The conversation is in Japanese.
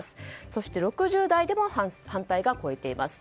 そして６０代でも反対が超えています。